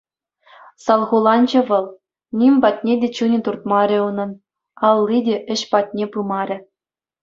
Салхуланчӗ вӑл, ним патне те чунӗ туртмарӗ унӑн, алли те ĕç патне пымарӗ.